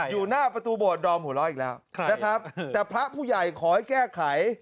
อยู่หน้าประตูบทดอมหัวเล้าอีกแล้วแต่พระผู้ใหญ่ขอให้แก้ไข